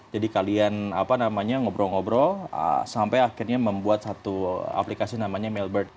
jadi kalian ngobrol ngobrol sampai akhirnya membuat satu aplikasi namanya mailbird